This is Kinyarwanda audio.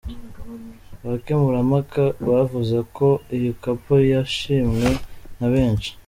Abakemurampaka bavuze ko iyi couple yashimwe na benshi